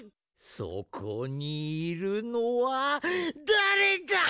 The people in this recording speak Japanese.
そこにいるのはだれだ！